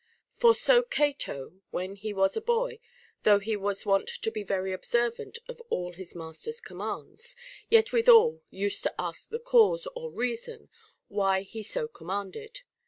For so Cato, when he was a boy, though he was wont to be very observant of all his master's commands, yet withal used to ask the cause TO HEAR POEMS. 73 or reason why he so commanded.